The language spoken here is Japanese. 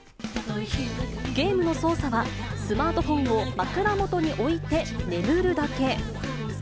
ゲームの操作は、スマートフォンを枕元に置いて眠るだけ。